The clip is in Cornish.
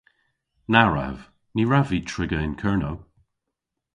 Na wrav! Ny wrav vy triga yn Kernow.